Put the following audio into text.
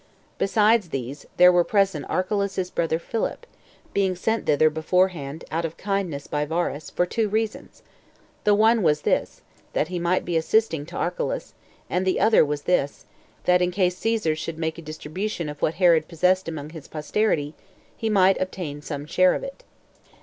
Besides these, there were present Archelaus's brother Philip, being sent thither beforehand, out of kindness by Varus, for two reasons: the one was this, that he might be assisting to Archelaus; and the other was this, that in case Caesar should make a distribution of what Herod possessed among his posterity, he might obtain some share of it.